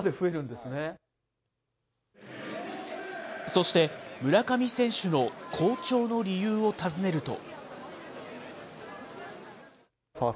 そして村上選手の好調の理由を尋ねると。